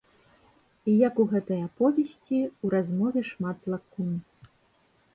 І як у гэтай аповесці, у размове шмат лакун.